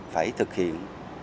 phải thực hiện tám mươi